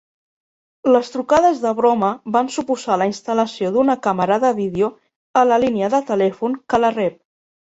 Les trucades de broma van suposar la instal·lació d'una càmera de vídeo a la línia de telèfon que la rep.